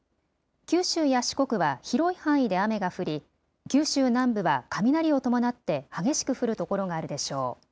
九州や四国は広い範囲で雨が降り、九州南部は雷を伴って激しく降る所があるでしょう。